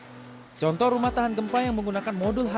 puskim adalah rumah tahan gempa yang dikenal sebagai rumah tahan gempa